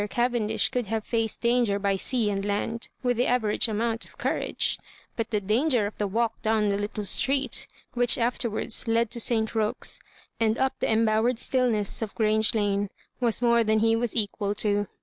Cavendish could have fkoed danger by sea and land with the average amoxmt of courage ; but the danger of the walk down the little street , which afterwards led to St Roque's, and up the embowered stillness of Grange Lane, was more than he was equal to.